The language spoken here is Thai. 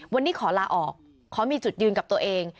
วันนี้ขอลาออกขอมีจุดยืนกับตัวเอง